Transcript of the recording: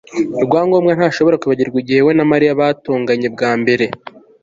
rwangombwa ntashobora kwibagirwa igihe we na Mariya batonganye bwa mbere